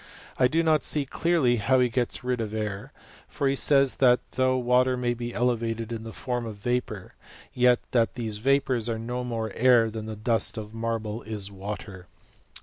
I do not see clearly how lie gets rid of air ; for he says, that though water may be elevated in the form of vapour, yet that these vapours are no more air than the dust of marble is water.